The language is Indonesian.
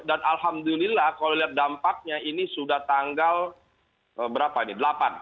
dan alhamdulillah kalau lihat dampaknya ini sudah tanggal berapa ini delapan